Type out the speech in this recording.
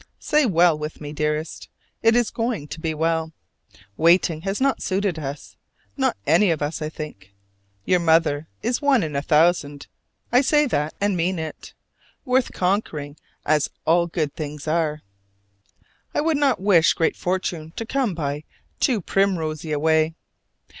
Say "well" with me, dearest! It is going to be well: waiting has not suited us not any of us, I think. Your mother is one in a thousand, I say that and mean it: worth conquering as all good things are. I would not wish great fortune to come by too primrosy a way.